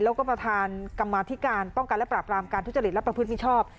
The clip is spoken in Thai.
แล้วก็ประธานกรรมาธิการป้องกันและปราบรามการทุจริตและประพฤติมิชชอบ